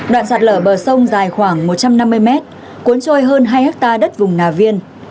đoạn sạt lở bờ sông dài khoảng một trăm năm mươi mét cuốn trôi hơn hai hectare đất vùng nà viên